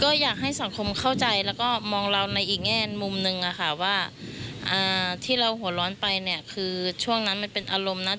ก็อยากให้สังคมเข้าใจแล้วก็มองเราในอีกแง่มุมนึงอะค่ะว่าที่เราหัวร้อนไปเนี่ยคือช่วงนั้นมันเป็นอารมณ์นะ